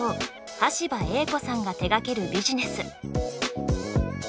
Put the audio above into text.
ＣＥＯ端羽英子さんが手がけるビジネス。